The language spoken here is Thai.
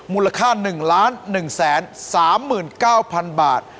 มูลค่า๑๑๓๙๐๐๐บาท